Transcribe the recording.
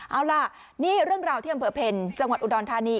เอาล่ะนี่เรื่องราวที่อำเภอเพลจังหวัดอุดรธานี